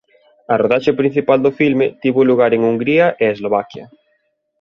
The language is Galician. A rodaxe principal do filme tivo lugar en Hungría e Eslovaquia.